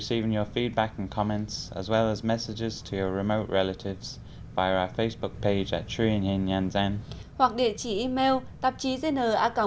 xin kính chào và hẹn gặp lại quý vị trong các chương trình tiếp theo